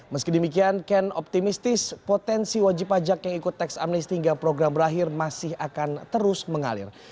meski demikian ken optimistis potensi wajib pajak yang ikut teks amnesti hingga program berakhir masih akan terus mengalir